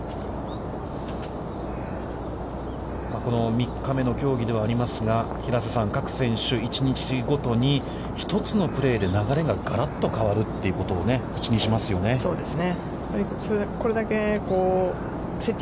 この３日目の競技ではありますが平瀬さん、各選手、１日ごとに１つのプレーで流れががらっと変わるということを口にしますよね。